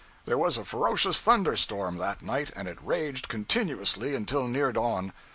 There was a ferocious thunder storm, that night, and it raged continuously until near dawn.